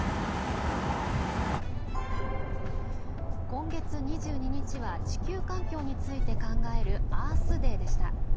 今月２２日は地球環境について考えるアースデーでした。